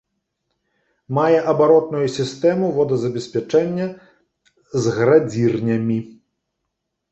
Мае абаротную сістэму водазабеспячэння з градзірнямі.